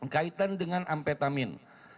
kaitan dengan amfetamin